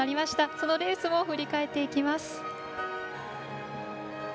そのレースを振り返っていきます。